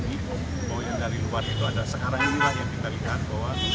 bahwa yang dari luar itu ada sekarang inilah yang kita lihat bahwa